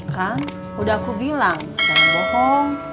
kan udah aku bilang jangan bohong